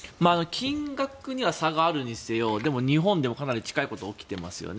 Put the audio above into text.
金額には差があるにせよ日本でもかなり近いことが起きていますよね。